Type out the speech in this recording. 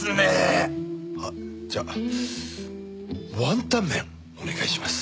あっじゃあワンタン麺お願いします。